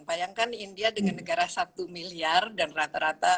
bayangkan india dengan negara satu miliar dan rata rata